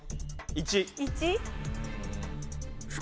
１。